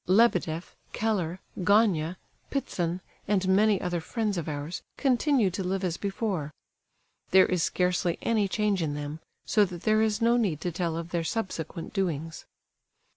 Lebedeff, Keller, Gania, Ptitsin, and many other friends of ours continue to live as before. There is scarcely any change in them, so that there is no need to tell of their subsequent doings.